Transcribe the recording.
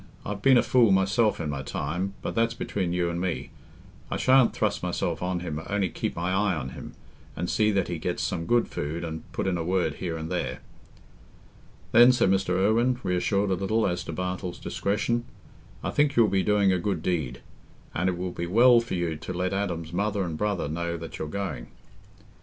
I've been a fool myself in my time, but that's between you and me. I shan't thrust myself on him only keep my eye on him, and see that he gets some good food, and put in a word here and there." "Then," said Mr. Irwine, reassured a little as to Bartle's discretion, "I think you'll be doing a good deed; and it will be well for you to let Adam's mother and brother know that you're going."